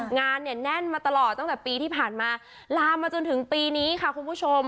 งานเนี่ยแน่นมาตลอดตั้งแต่ปีที่ผ่านมาลามมาจนถึงปีนี้ค่ะคุณผู้ชม